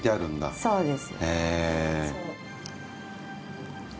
そうです。